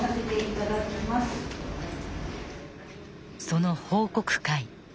その報告会。